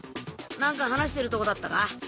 なんか話してるとこだったか？